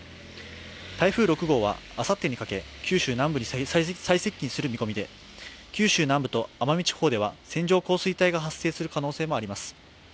台風６号はあさってにかけ九州南部に最接近するおそれがあり九州南部と奄美地方では線状降水帯が発生する可能性もあります。